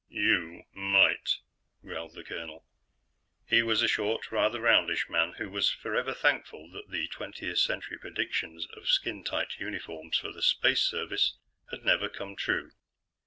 "You might," growled the colonel. He was a short, rather roundish man, who was forever thankful that the Twentieth Century predictions of skin tight uniforms for the Space Service had never come true.